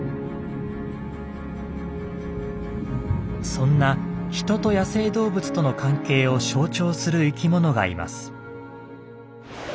そんな人と野生動物との関係を象徴する生きものがいます。